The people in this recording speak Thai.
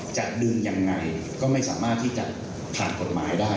จะดึงยังไงก็ไม่สามารถที่จะผ่านกฎหมายได้